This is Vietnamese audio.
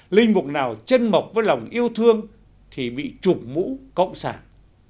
linh mục nào chân mộc với lòng yêu thương thì bị trụng mũ cộng sản